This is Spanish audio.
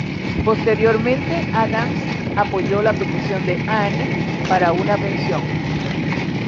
Posteriormente Adams apoyó la petición de Anne para una pensión.